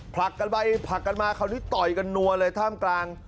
ผลักกันไปผลักกันมาคราวนี้ต่อยกันนัวเลยท่ามกลาง